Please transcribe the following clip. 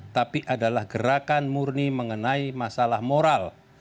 tapi adalah gerakan murni mengenai masalah moral